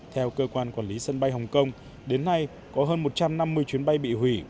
theo cơ quan quản lý sân bay hồng kông đến nay có hơn một trăm năm mươi chuyến bay bị hủy